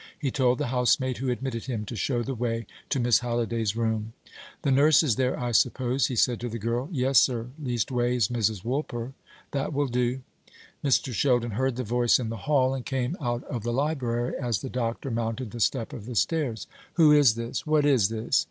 He told the housemaid who admitted him to show the way to Miss Halliday's room. "The nurse is there, I suppose?" he said to the girl. "Yes, sir; leastways, Mrs. Woolper." "That will do." Mr. Sheldon heard the voice in the hall, and came out of the library as the doctor mounted the step of the stairs. "Who is this? What is this?"